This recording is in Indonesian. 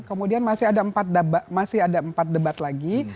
kemudian masih ada empat debat lagi